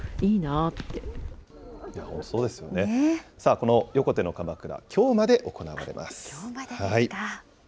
この横手のかまくら、きょうまで行われます。